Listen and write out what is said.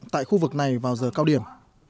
tại khu vực này vào giờ cao điểm